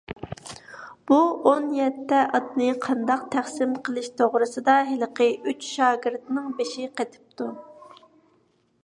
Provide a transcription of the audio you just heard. بۇ ئون يەتتە ئاتنى قانداق تەقسىم قىلىش توغرىسىدا ھېلىقى ئۈچ شاگىرتنىڭ بېشى قېتىپتۇ.